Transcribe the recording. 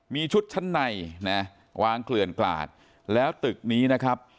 มีชุดชั้นในนะวางเกลื่อนกลาดแล้วตึกนี้นะครับ